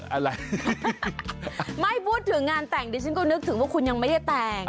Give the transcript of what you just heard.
อะไรไม่พูดถึงงานแต่งดิฉันก็นึกถึงว่าคุณยังไม่ได้แต่ง